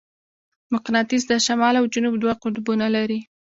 مقناطیس د شمال او جنوب دوه قطبونه لري.